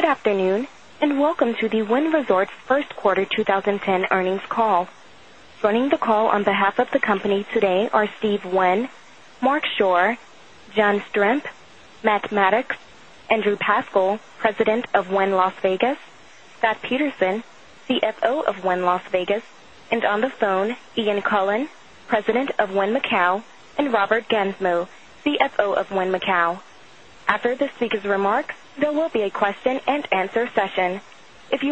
Good afternoon, and welcome to the Wynn Resorts First Quarter 20 10 Earnings Call. Joining the call on behalf of the company today are Steve Winn, Mark Shore, John Stremp, Matt Maddox, Andrew Paschal, President of Winn Las Vegas, Thad Peterson, CFO CFO of ONE Las Vegas and on the phone, Ian Cullen, President of ONE Macau and Robert Gensmo, CFO of ONE Macau. After the speakers' remarks, there will be a question and answer session. Thank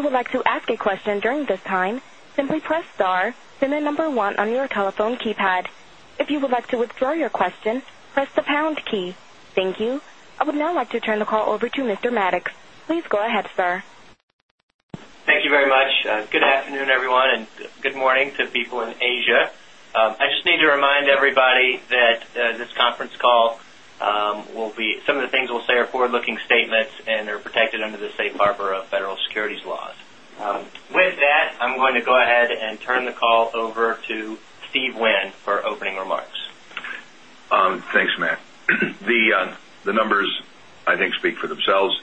you. I would now like to turn the call over to Mr. Maddox. Please go ahead, sir. Thank you very much. Good afternoon, everyone, and good morning to people in Asia. I just to remind everybody that this conference call will be some of the things we'll say are forward looking statements and are protected under the Safe Harbor of Thanks, Matt. The numbers, I think speak for themselves,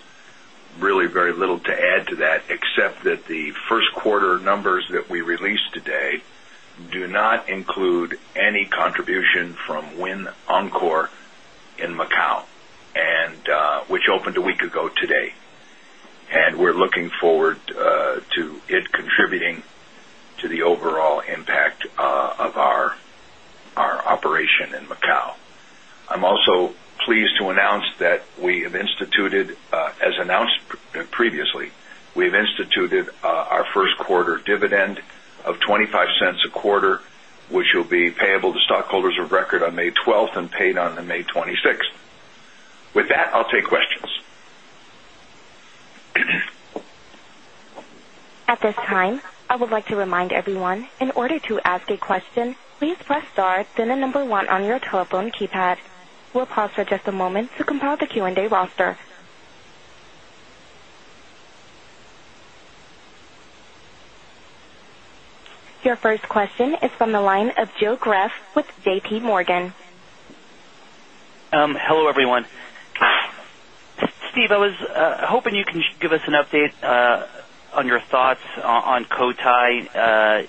really very little to add to that except that the Q1 numbers that we released today do not include any contribution from Wynn Encore in Macau and which opened a week ago today. And we're looking forward to it contributing to the overall impact of our operation in Macau. I'm also pleased to announce that we have instituted as announced previously, we have instituted our 1st quarter dividend of $0.25 a quarter, which will be payable to stockholders of record on May 12 and paid on May 26. With that, I'll take questions. Your first question is from the line of Joe Greff with JPMorgan. Hello, everyone. Steve, I was hoping you can give us an update on your thoughts on Cotai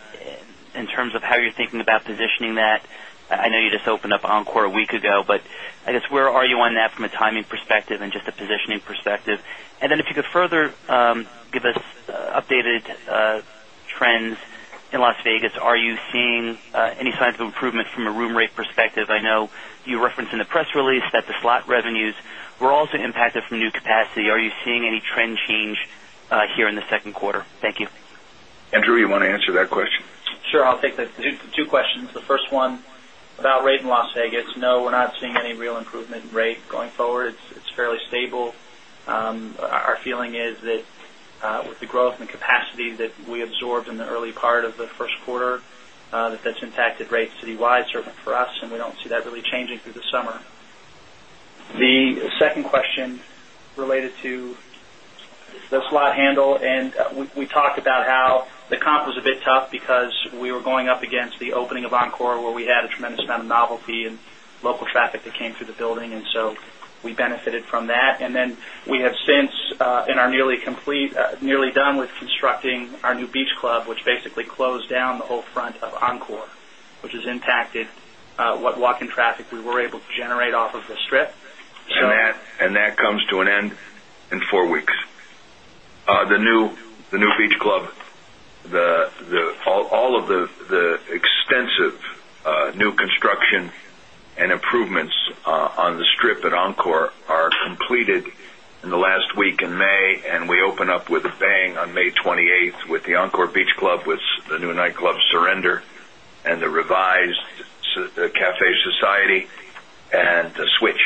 in terms of how you're thinking about positioning that. I know you just opened up Encore a week ago, but I guess where are you on that from a timing perspective and just a positioning perspective? And then if you could further give us updated trends in Las Vegas? Are you seeing any signs of improvement from a room rate perspective? I know you referenced in the press release that the slot revenues were also impacted from new capacity. Are you seeing any trend change here in the Q2? Thank you. Andrew, you want to answer that question? Sure. I'll take the 2 questions. The one about rate in Las Vegas. No, we're not seeing any real improvement in rate going forward. It's fairly stable. Our feeling is that with the growth in the capacity that we absorbed in the early part of the Q1 that's impacted rates wide certainly for us and we don't see that really changing through the summer. The second question related to the slot handle and we talked about how the comp was a bit tough because we were going up against the opening of Encore where we had a tremendous amount of novelty and local traffic that came through the building. And so we benefited from that. And then we have since in our nearly complete nearly done with constructing our new club, which basically closed down the old front of Encore, which has impacted what walk in traffic we were able to generate off of the strip. And that comes to an end in 4 weeks. The new beach club, all of the extensive new construction and improvements on the Strip at Encore are completed in the last week in May and we open up with a bang on May 20 8 with the Encore Beach Club, with the new nightclub Surrender and the revised Cafe Society and Switch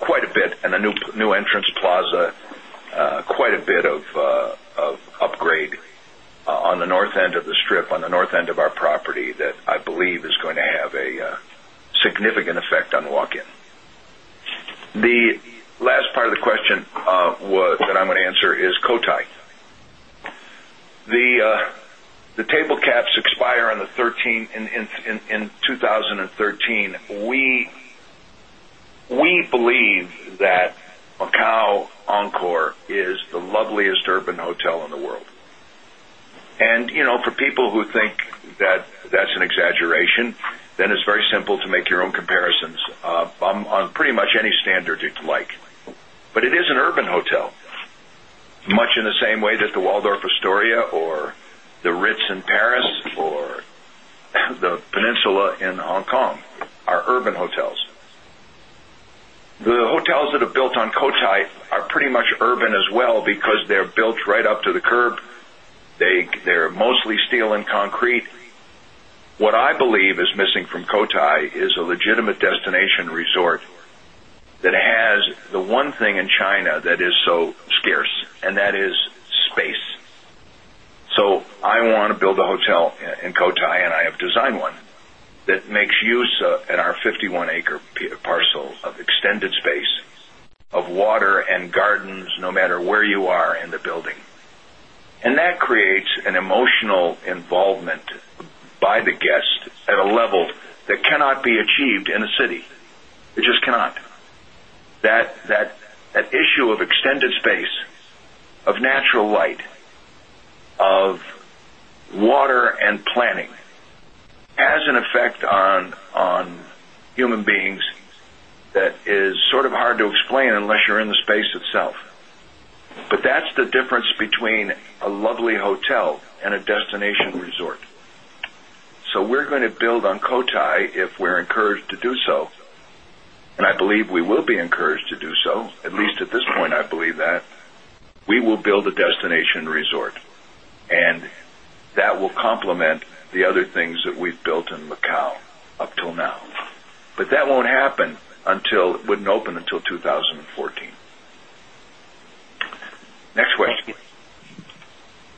quite a bit and the new entrance plaza quite a bit of upgrade on the north end of the Strip, on the north end of our property that I believe is going to have a significant effect on walk in. The last part of the question that I'm going to answer is Cotai. The table caps expire in 20 13. We believe that Macau Encore is the loveliest urban hotel in the world. And for people who think that that's an exaggeration, then it's very simple to make your own comparisons on pretty much any standard you'd like. But it is an urban hotel, much in the same way that the Waldorf Astoria or the Ritz in Paris or the Peninsula in Hong Kong are urban hotels. The hotels that are built on Cotai are pretty much urban as well because they're built right up to the curb. They're mostly steel and concrete. What I believe is missing from Cotai is a legitimate destination resort that has the one thing in China that is so scarce, and that is space. So I want to build a hotel in Cotai, and I have designed one that makes use in our 50 1 acre parcel of extended space of water and gardens no matter where you are in the building. And And that creates an emotional involvement by the guest at a level that cannot be achieved in the city. It just cannot. That issue of extended space, of natural light, of water and planning has an effect on human beings that is sort of hard to explain unless you're in the space itself. But that's the difference between a lovely hotel and a destination resort. So we're going to build on Cotai if we're encouraged to do so. And I believe we will be encouraged to do so. At least at this point, I believe that we will build a destination resort and that will complement the other things that we've built in Macau up till now. But that won't happen until it wouldn't open until 20 14.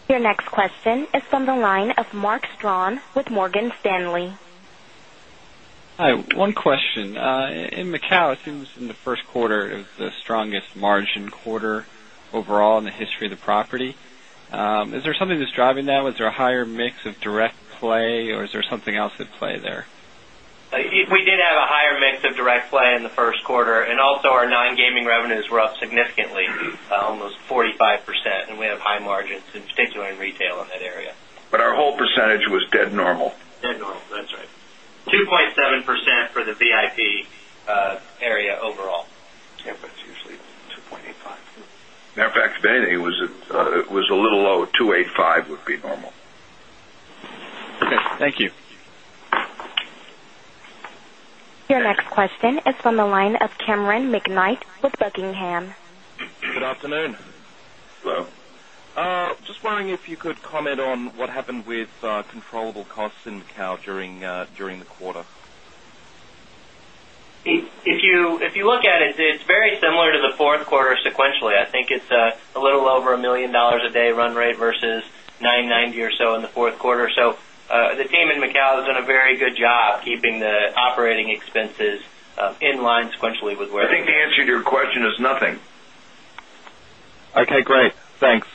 Your next question is from the line of Mark Strawn with Morgan Stanley. Hi. One question. In Macau, it seems in the first quarter, it was the particular in retail in that area. But our whole percentage was dead normal. Dead normal, that's right. 2.7% for the VIP area overall. Yes, that's right. For the VIP area overall. It was usually 2.85%. Matter of fact, it was a little low, 285 would be normal. Okay. Thank you. Your next question is from the line of Cameron McKnight with Buckingham. Just wondering if you could comment on what happened with controllable costs in Cow during the quarter? If you look at it, it's very similar to the Q4 sequentially. I think it's a little over $1,000,000 a day run rate versus $9.90 or so in the Q4. So, the team in Macau has done a very good job keeping the operating expenses in line sequentially with where I think the answer to your question is nothing. Okay, great. Thanks.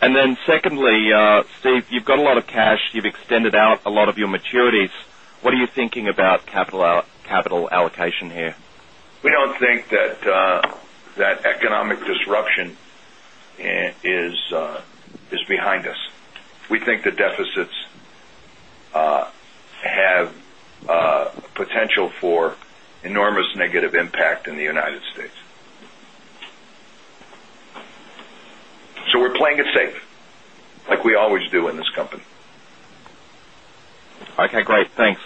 And then secondly, Steve, you've got a lot of cash, you've extended out a lot of your maturities. What are you thinking about capital allocation here? We don't think that economic disruption is behind us. We the deficits have potential for enormous negative impact in the United States. So we're playing it safe like we always do in this company. Okay, great. Thanks.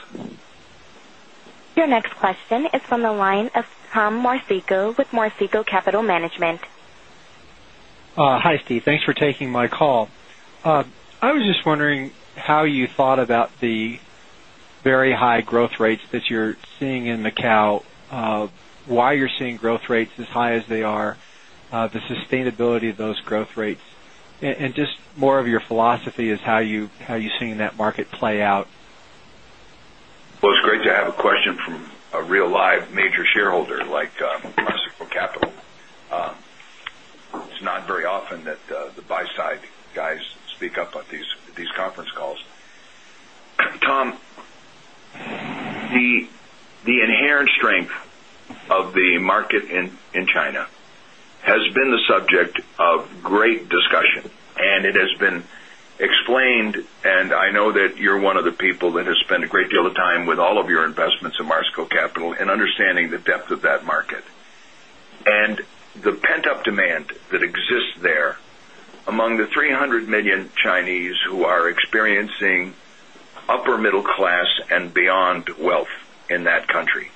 Your next question is from the line of Tom Marceco with Marceco Capital Management. Hi, Steve. Thanks for taking my call. I was just wondering how you thought about the very high growth rates that you're seeing in Macau, why you're seeing growth rates as high as they are, the sustainability of those growth rates and just more of your philosophy is how you're seeing that market play out? Well, it's great to have a question from a real live major shareholder like Massimo Capital. It's not very often that the buy side guys speak up at these conference calls. Tom, the inherent strength of the market in China has been the subject of great discussion, and it has been explained and I know that you're one of the people that has spent a pent up demand that exists there among the 300,000,000 Chinese who are experiencing upper middle class and beyond wealth in that country.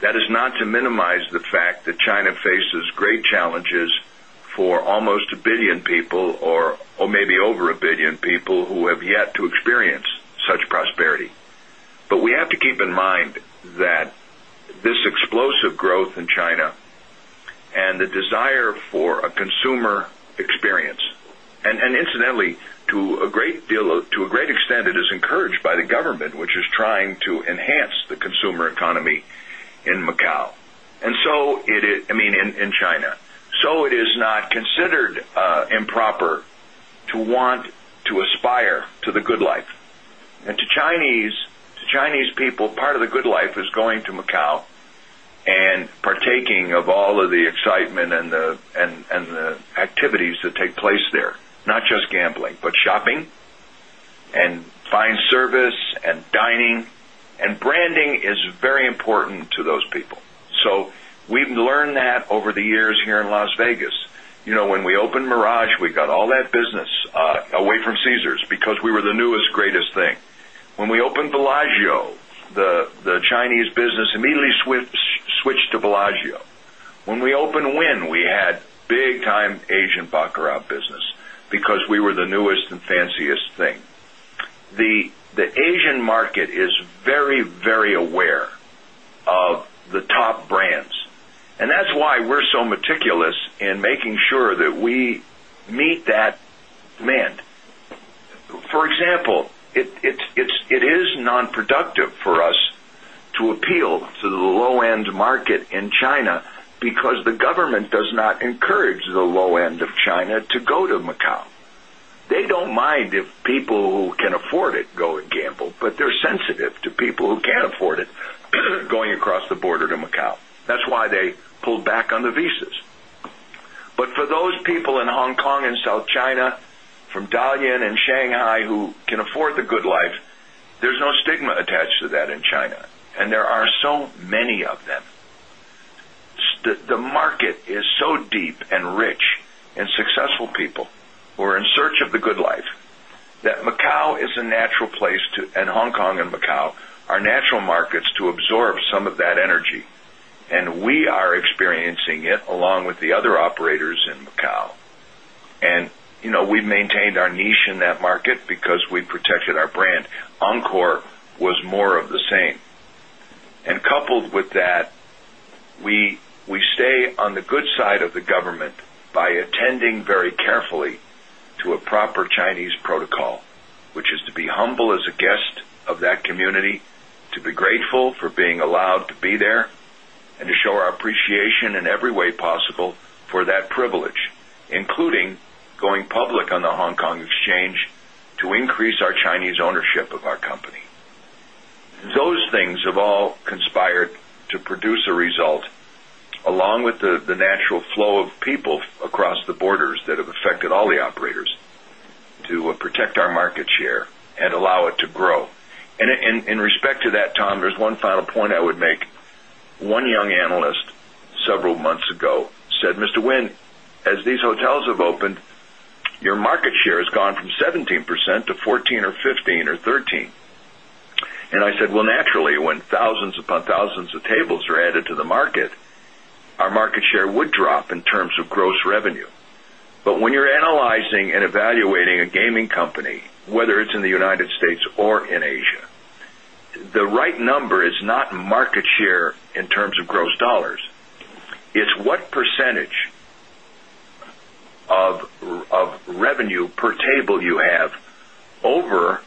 That is not to minimize the fact that China faces great challenges for almost 1,000,000,000 people or maybe over 1,000,000,000 people who have yet to experience such prosperity. But we have a consumer experience. And incidentally, to a great deal to a great extent, it is encouraged by the government, which is trying to enhance the the consumer economy in Macau. And so it I mean in China. So it is not considered improper to to partaking of all of the excitement and the activities that take place there, not just gambling, but shopping and fine service and dining and branding is very important to those people. So we've learned that over the years here in Las Vegas. When we opened Mirage, we got all that business away from Caesars because we were the newest greatest thing. When we opened Bellagio, the Chinese business immediately switched to Bellagio. When we opened Wynn, we very aware of the top brands. And that's why we're so meticulous in making sure that we meet that demand. For example, it is nonproductive for us to appeal to the low end market in China because the government does not encourage the low end of China to go to Macau. They don't mind if people who can afford it go and gamble, but they're sensitive to people who can't afford it going across the border to Macau. That's why they pulled back on the visas. But for those people in Hong Kong and South China from Dalian and Shanghai who can afford the good life, there's no stigma attached to that in China and there are so many of them. The market is so deep and rich in successful people who are in search of the good life that Macau is a natural place and Hong Kong and Macau are natural markets to absorb some of that energy and we are experiencing it along with the other operators in Macau. And we've maintained our niche in that market because we protected our brand. Encore was more of the same. And coupled with that, we stay on the good side of the government by attending very carefully to a proper Chinese protocol, which is to be humble as a guest of that community, to be grateful for being allowed to be there and to show our appreciation in every way possible for that privilege, including going public on the Hong Kong Exchange to increase our Chinese ownership of our company. Those things have all conspired to produce a result along with the natural flow of people across the borders that have affected all the operators to protect our market share and allow it to grow. And in respect to that, Tom, there's one final point I would make. 1 young analyst several months ago said, Mr. Wen, as these hotels have opened, your market share has gone from 17% to 14% or 15% or 13%. And I said, well, naturally, when thousands upon thousands of tables are added to the market, our market share would drop in terms of gross revenue. But when you're analyzing and evaluating a gaming company, whether it's in the United States or in Asia, the right number is not market share in terms of gross dollars. It's what percentage of revenue per table you have over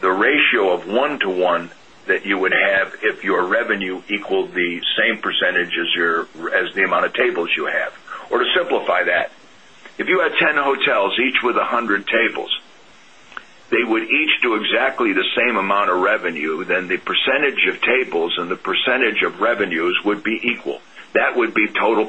the ratio of 1:one that you would have if your revenue equaled the same percentage as the amount of tables you have. Or to simplify that, if you had 10 hotels each with 100 tables, they would each do exactly the same amount of revenue, then the percentage of tables and the percentage of revenues would be equal. That would be total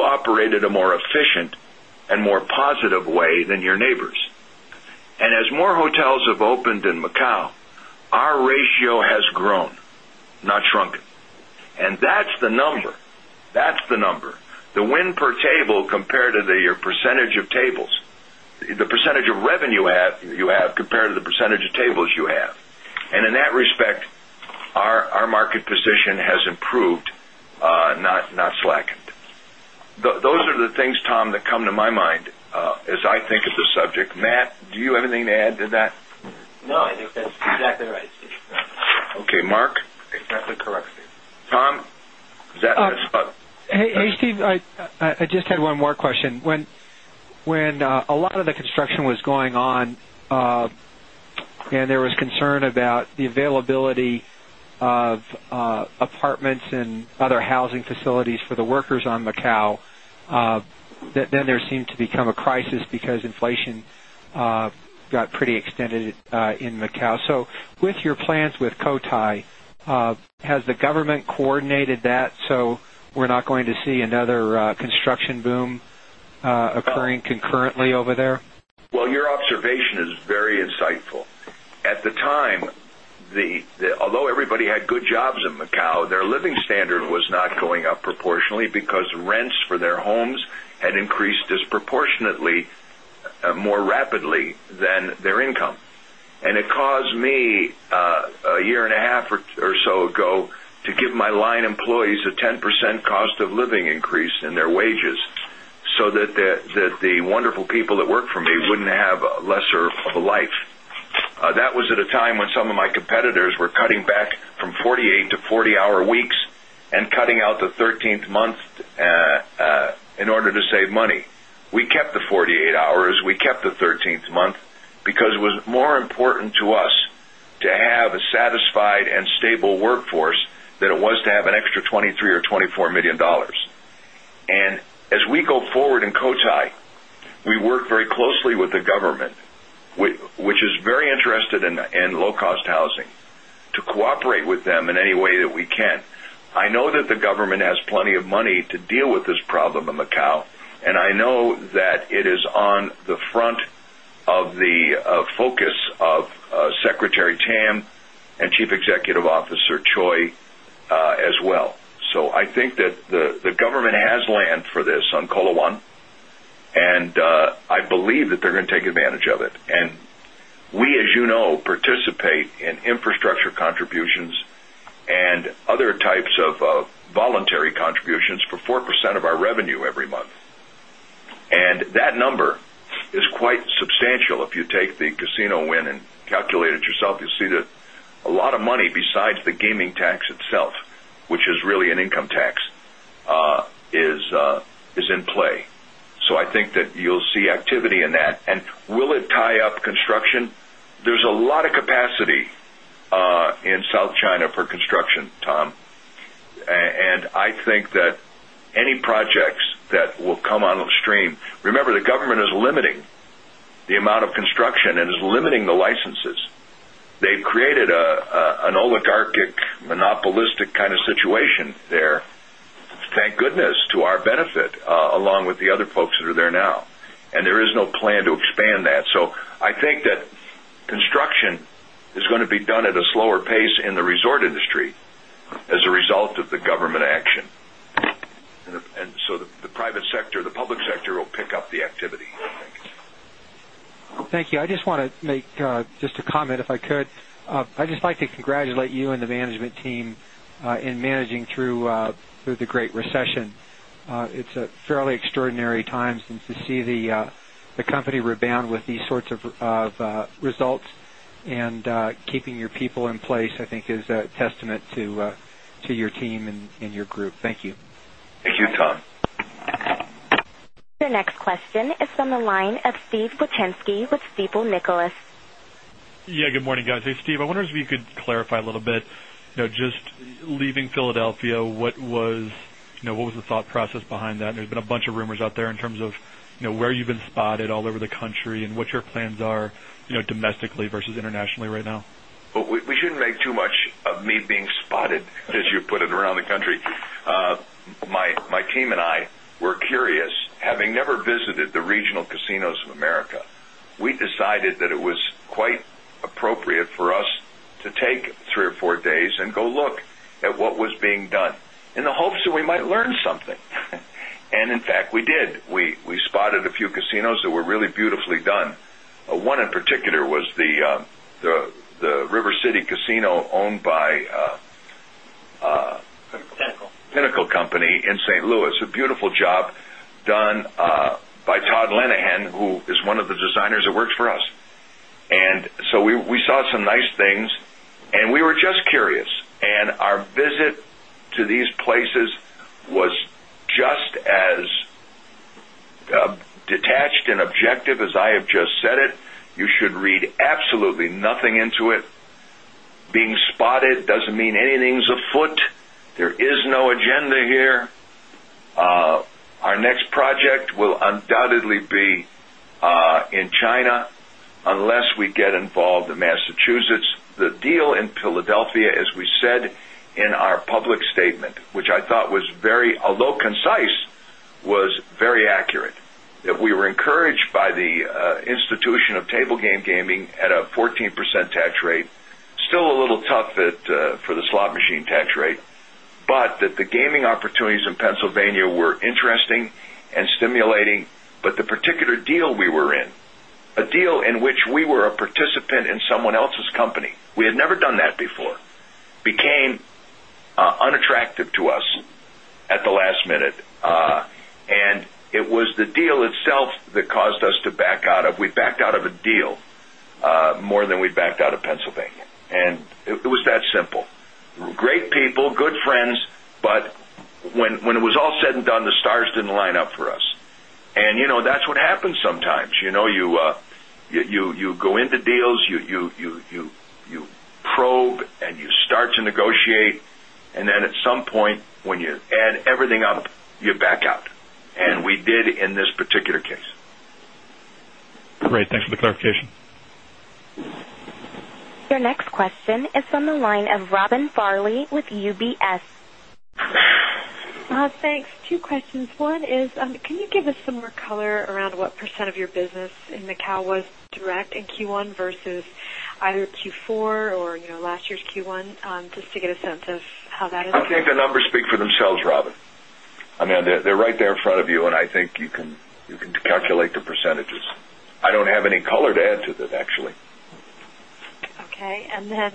operate at a more efficient and more positive way than your neighbors. And as more hotels have opened in Macau, our ratio has grown, not shrunken. And that's the number. That's the number. The win per table compared to win per table compared to the percentage of tables, the percentage of revenue you have compared to the percentage of tables you have. And in that respect, our market position has improved, not slackened. Those are the things, Tom, that come to my mind as I think of the subject. Matt, do you have anything to add to that? No, I think that's exactly right. Okay, Mark? Exactly correct, Steve. Tom? The spot? Hey, Steve, I just had one more question. When a lot of the construction was going on and there was concern about the availability of apartments and other housing facilities for the workers on Macau. Then there seemed to become a crisis because inflation got pretty extended in Macau. So with your plans with Cotai, has the government coordinated that so we're not going to see another construction boom occurring concurrently over there? Well, your observation is very insightful. At the time, although everybody had good jobs in Macau, Macau, their living standard was not going up proportionally because rents for their homes had increased disproportionately more rapidly than their income. And it caused me 1.5 years or so ago to give my line employees a 10% a time when some of my competitors were cutting back from 48 to 40 hour weeks and cutting out the 13th month in order to save money. We kept the satisfied and stable workforce than it was to have an extra $23,000,000 or $24,000,000 And as we go forward in Cotai, we work very closely with the government, which is very interested in low cost housing, to cooperate with them in any way that we can. I know that the government has plenty of money to deal with this problem in Macau, and I know that it is on the front of the focus of Secretary Tam and Chief Executive Officer Choi as well. So I think that the government has land for this on Kola One and I believe that they're going to take advantage of it. And we as you know participate in infrastructure contributions and other types of voluntary contributions for 4% of our revenue every month. And that number is quite substantial if you take the casino win and calculate it yourself, you'll see that a lot of money besides the gaming tax itself, which is really an income tax, is in play. So I think that you'll see activity in that. And will it tie up construction? There's a lot of capacity in South China for construction, Tom. And I think that any projects that will come on upstream remember the government is limiting the amount of construction and is limiting the licenses. They've created an oligarchic monopolistic kind of situation there, thank goodness, to our benefit along with the other folks that are there now. And there is no plan to expand that. So I think that construction is going to be done at a slower pace in the resort industry as a result of the government action. And so the private sector, the public sector will pick up the activity. Thank you. I just want to make just a comment if I could. I'd just like to congratulate you and the management team in managing through the Great Recession. It's a fairly extraordinary time since you see the company rebound with these sorts of results and keeping your people in place I think is a testament to your team and your group. Thank you. Thank you, Tom. Your next question is from the line of Steve Klickenski with Stifel Nicolaus. Yes. Steve, I wonder if you could clarify a little bit, just leaving Philadelphia, what was the thought process that? And there's been a bunch of rumors out there in terms of where you've been spotted all over the country and what your plans are domestically versus internationally right now? We shouldn't make too much of me being spotted as you put it around the country. My team and I were curious having never regional casinos of America, we decided that it was quite appropriate for us to take 3 or 4 days and go look at what was being done in the hopes that we might learn something. And in fact, we did. We spotted a few casinos that were really beautifully done. 1 in particular was the River City Casino owned by Pinnacle Company in St. Louis, a beautiful job done by Todd Linehan, who is one of the designers that works for us. And so we saw some nice things and we were just curious. And our visit to these places was just as detached and objective as I have just said it. You should read absolutely nothing into it. Being spotted doesn't mean anything is afoot. There is no agenda here. Our next project will undoubtedly be in China unless we get involved in Massachusetts. The deal in Philadelphia, as we said in our public statement, which I thought was very although concise, was very accurate that we were encouraged by the institution of table game gaming at a 14% tax rate, still a little tough for the slot machine tax rate, but that the gaming opportunities in Pennsylvania were interesting and stimulating, but the particular deal we were in, a deal in which we were a participant in someone else's company, we had never done that before, became unattractive to us at the last minute. And it was deal itself that caused us to back out of we backed out of a deal more than we backed out of Pennsylvania. And it was that simple. Great people, good friends, but when it was all said and done, the stars didn't line up for us. And that's what happens sometimes. You go into deals, you probe and you start to negotiate and then at some point when you add everything up, you back out and we did in this particular case. Great. Thanks for Your next question is from the line of Robin Farley with UBS. Two questions. One is, can you give us some more color around what percent of your business in Macao was direct in Q1 versus either Q4 or last year's Q1, just to get a sense of how that is going to work? I think the numbers speak for themselves, Robin. I mean, they're right there in front of you, and I think you can calculate the percentages. I don't have any color to add to that actually. Okay. And then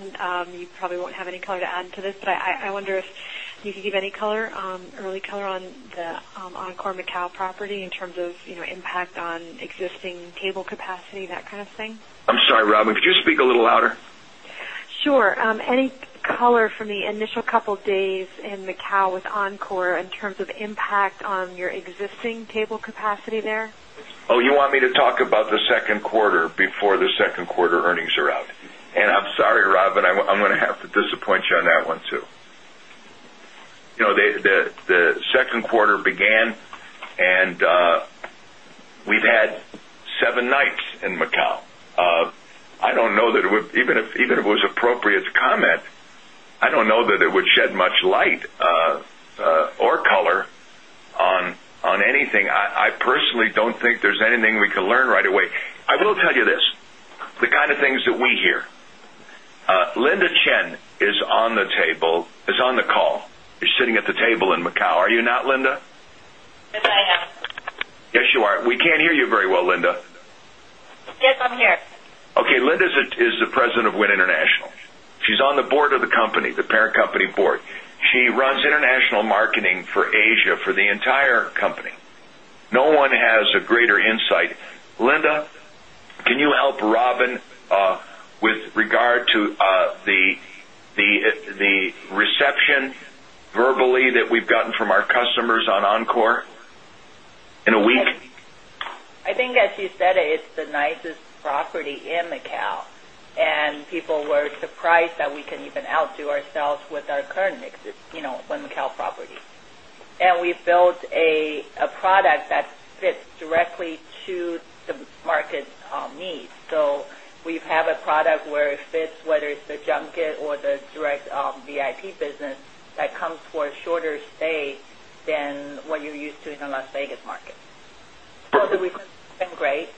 you probably won't have any color to add to this, but I wonder if you could give any color, early color on the Encore Macau property in terms of impact on existing table capacity, that kind of thing? I'm sorry, Robin, could you speak a little louder? Sure. Any color for me initial couple of days in Macau with Encore in terms of impact on your existing cable capacity there? You want me to talk about the Q2 before the Q2 earnings are out. And I'm sorry, Rob, but I'm going have to disappoint you on that one too. The second quarter began and we've had 7 nights in Macau. I don't know that it would even if it was appropriate to comment, I don't know that it would shed much light or color on anything. I personally don't think there's anything we can learn right away. I will tell you this, the kind of things that we hear. Linda Chen is on the table is on the call, is sitting at the table in Macau. Are you not, Linda? Yes, I am. Yes, you are. We can't hear you very well, Linda. Yes, I'm here. Okay. Linda is the President of Wynn International. She's on the Board of the company, the parent company Board. She runs international marketing for Asia for the entire company. No one has a greater insight. Linda, can you help Robin with regard to the reception verbally that we've gotten from our customers on Encore in a week? I think as you said, it's the nicest property in Macau and people were surprised that we can the a product where it fits whether it's the junket or the direct VIP business that comes for a shorter stay than what you used to in the Las Vegas market. For the reasons, it's been great.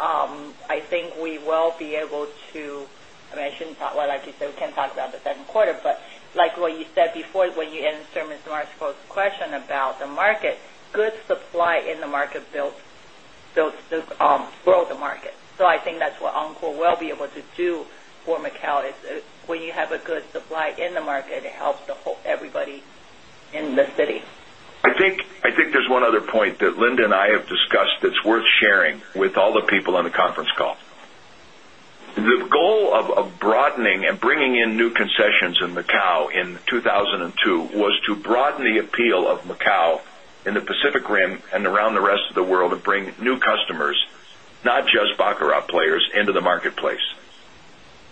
I think we will be able to I mentioned, like you said, we can't talk about the Q2. But like what you said before, when you answer Mr. Marco's question about the market, good supply in the market builds to grow the market. So I think that's what Encore will be able to do for Macau is when you have a good supply in the market, it helps everybody in the city. I think there's one other point that Linda and I have discussed that's worth sharing with all the people on the conference call. The goal of broadening and bringing in new concessions in Macau in 2,002 was to broaden the appeal of Macau in the Pacific Rim and around the rest of the world to bring new customers, not just baccarat players into the marketplace.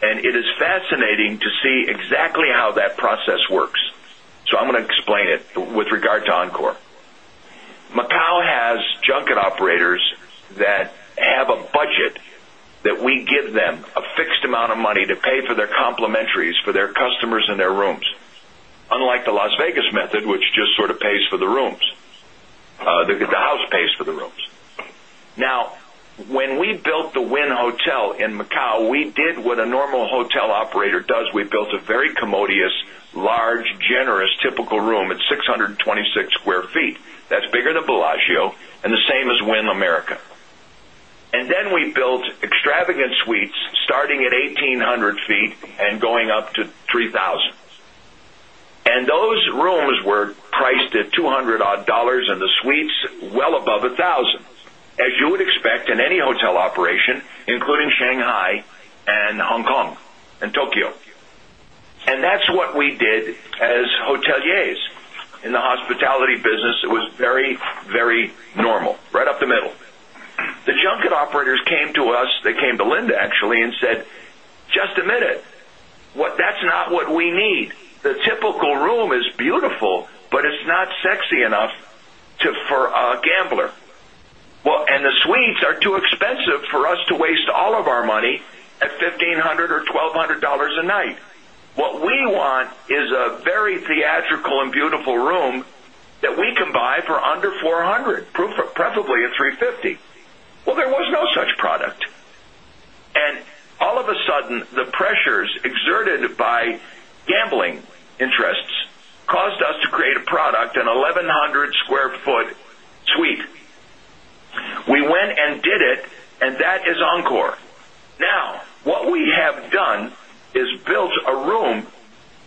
And it is fascinating to see exactly how that process works. So am going to explain it with regard to Encore. Macau has junket operators that have a budget that we give them a fixed amount of money to pay for their complementaries for their customers and their rooms, unlike the Las Vegas method, which just sort of pays for the rooms. The house pays for the rooms. Now when we built the Wynn Hotel in Macau, we did what a normal hotel operator does. We built a very commodious, large, generous typical room at 6 26 square feet. That's bigger than Bellagio and the same as Wynn America. And then we built extravagant suites starting at 1800 feet and going up to 3,000. And those rooms were priced at $200 odd and the suites well above $1,000 as you would expect in any hotel operation, including Shanghai and Hong Kong and Tokyo. And right up the middle. The junket operators came to us. They came to Linda actually and said, just a minute, that's not what we need. The typical room is beautiful, but it's not sexy enough for a gambler. And the suites are too expensive for us to waste all of our money at $1500 or $1200 a night. What we want is a very theatrical and beautiful room that we can buy for under $400 preferably at $350 Well, there was no such product. And all of a sudden, the pressures exerted by gambling interests that is Encore. Now what we have done is built a room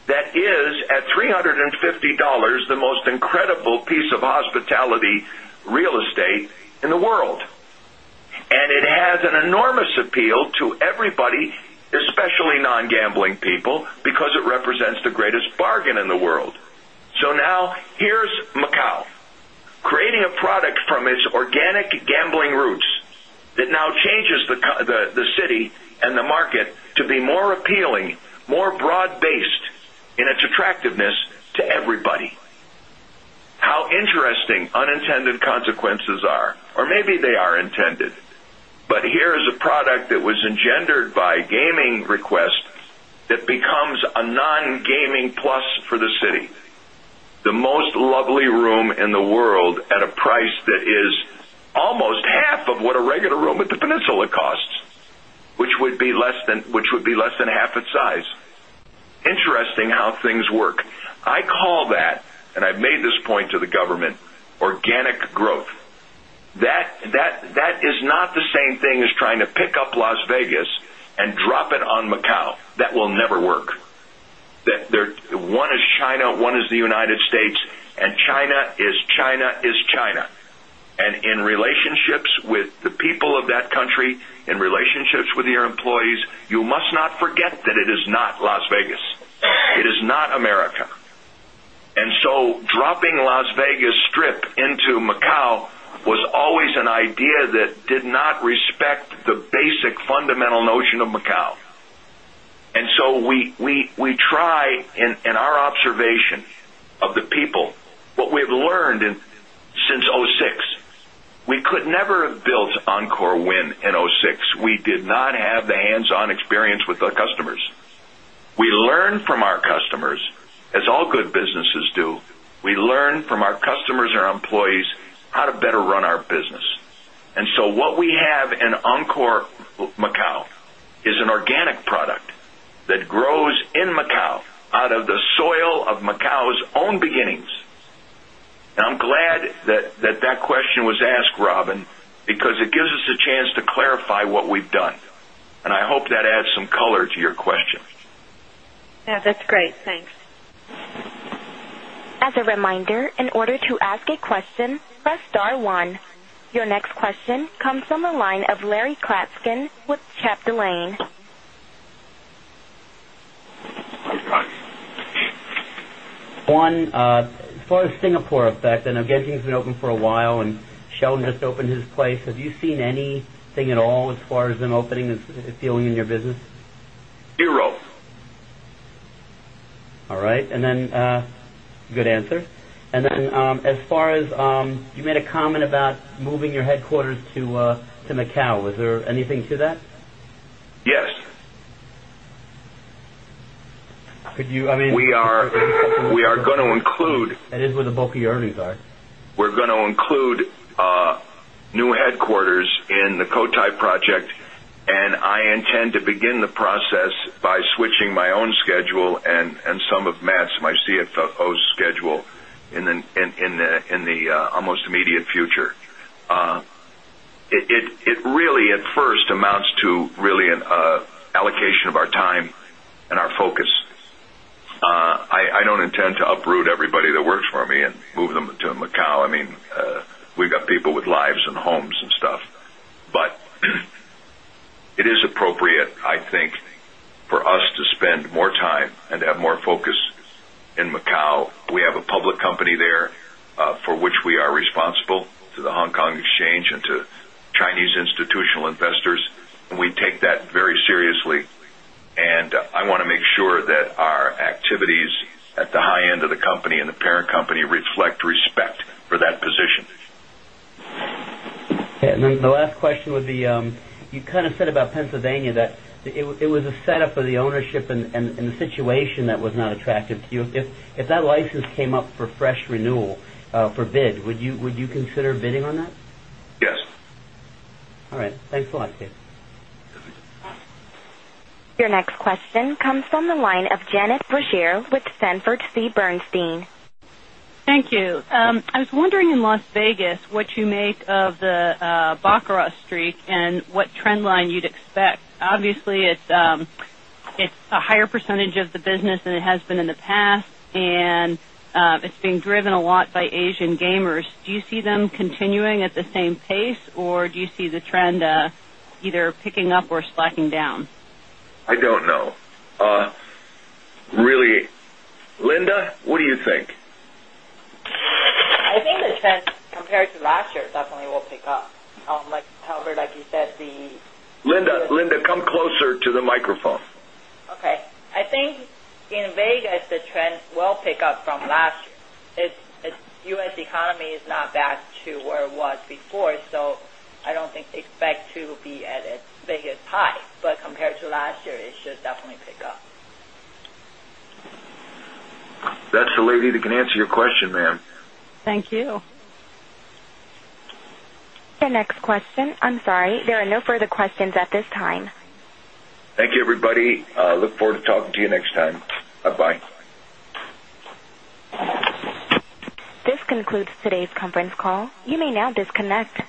that is at 3.50 $50 the most incredible piece of hospitality real estate in the world. And it has an enormous bargain in the world. So now here's Macau, creating a product from its organic gambling roots that now changes the city and the market to be more appealing, more broad based in its attractiveness to everybody. How interesting unintended consequences are or maybe they are intended, but here is a product that was engendered by gaming requests that becomes a non gaming plus for the city, the most lovely room in the world at a price that is almost half of what a regular room at the Peninsula costs, which would be less than half its size. Interesting how things work. I call that, and I've made this point to the government, organic growth. That is not the same thing as trying to pick up Las Vegas and drop it on Macau. That will never work. One is China, one is the United States and China is China is China. And in relationships with the in relationships with the people of that country, in relationships with your employees, you must not forget that it is not Las Vegas. It is not America. Respect the basic fundamental notion of Macau. And so we try in our observation of the people, what we have learned since 'six, we could never have built Encore Wind in 'six. 'six. We did not have the hands on experience with our customers. We learned from our customers as all good businesses do. We learned from our customers and our employees how to better run our business. And so what we have in Encore Macau is Robin, because it gives us a chance to that question was asked, Robin, because it gives us a chance to clarify what we've done. And I hope that adds some color to your questions. Yes, that's great. Thanks. Your next question comes from the line of Larry Klatkin with Chapter Lane. Juan, as far as Singapore effect, I know Genting has been open for a while and Sheldon has opened his place. Have you seen anything at all as far as them opening feeling in your business? 0. All right. And then good answer. And then as far as you made a comment about moving your headquarters to Macau. Is there anything to that? Yes. Could you I mean We are going to include That is where the bulk of your earnings are. We're schedule and some of Matt's, my CFO's schedule in the almost immediate future. It really at first amounts to really an allocation of our time and our focus. I don't intend to uproot everybody that works for me and move them to Macau. I mean, we've got people with lives and homes and stuff. But it is appropriate, I think, for us to spend more time and have more focus in Macau. We have a public company there for which we are responsible to the Hong Kong Exchange and to Chinese institutional investors and we take that very seriously. And I want to make sure that our activities at the high end of the company and the parent company reflect respect for that position. And then the last question would be, you kind of said about Pennsylvania that it was a setup for the ownership and the situation that was not attractive to you. If that license came up for fresh renewal for bid, would you consider bidding on that? Yes. All right. Thanks a lot, Steve. Your next question comes from the line of Janet Boucher with Sanford Bernstein. Thank you. I was wondering in Las Vegas, what you make of the Baccarat streak and what trend line you'd expect? Obviously, it's a higher percentage of the business than it has been in the past and it's being driven a lot by Asian gamers. Do you see them continuing at the Really, Linda, what do you think? I think the trend compared to last year definitely will pick up. However, like you said, the Linda, come closer to the microphone. Okay. I think in Vegas, the trend will pick up from last year. U. S. Economy is not back to where it was before. So I don't think expect to be at a biggest high, but compared to last year, it should definitely pick up. That's the lady that can answer your question, ma'am. Thank you. The next question I am sorry, there are no further questions at this time. Thank you, everybody. Look forward to talking to you next time. Bye bye. This concludes today's conference call. You may now disconnect.